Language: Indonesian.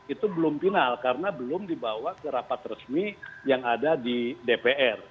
itu belum final karena belum dibawa ke rapat resmi yang ada di dpr